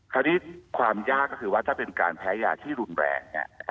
คราวนี้ความยากก็คือว่าถ้าเป็นการแพ้ยาที่รุนแรง